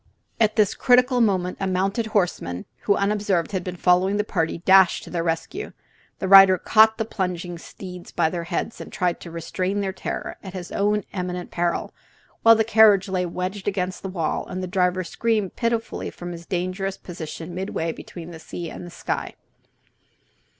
At this critical moment a mounted horseman, who unobserved had been following the party, dashed to their rescue. The rider caught the plunging steeds by their heads and tried to restrain their terror, at his own eminent peril, while the carriage lay wedged against the wall and the driver screamed pitifully from his dangerous position midway between sea and sky.